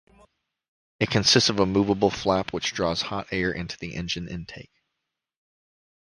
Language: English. It consists of a moveable flap which draws hot air into the engine intake.